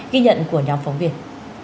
ghi nhận của nhóm phóng viên